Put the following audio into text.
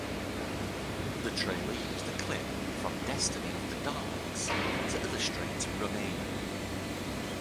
The trailer used a clip from "Destiny of the Daleks" to illustrate Romana.